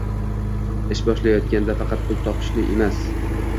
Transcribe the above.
Ish boshlayotganda faqat pul topishni emas